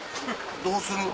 どうする？